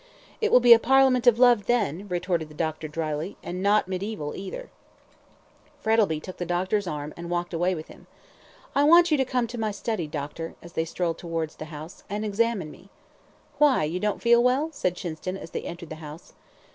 "It will be a Parliament of love then," retorted the doctor, dryly, "and not mediaeval either." Frettlby took the doctor's arm, and walked away with him. "I want you to come up to my study, doctor," he said, as they strolled towards the house, "and examine me." "Why, don't you feel well?" said Chinston, as they entered the house.